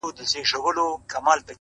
زړگى مي غواړي چي دي خپل كړمه زه،